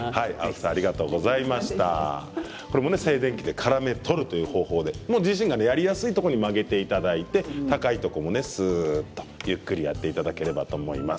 静電気でからめ捕るという方法でご自身がやりやすいところで曲げていただいて高いところもすーっとゆっくりやっていただければと思います。